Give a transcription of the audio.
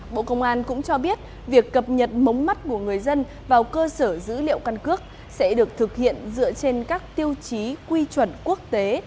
bộ công an cũng cho biết việc cập nhật mống mắt của người dân vào cơ sở dữ liệu căn cước sẽ được thực hiện dựa trên các tiêu chí quy chuẩn quốc tế